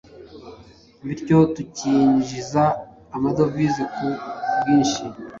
Bityo tukinjiza amadovize ku bwinshi.